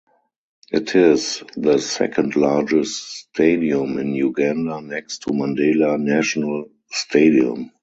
It is the second largest stadium in Uganda next to Mandela National Stadium.